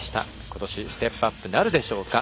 今年はステップアップなるでしょうか。